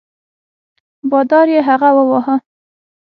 بادار یې هغه وواهه.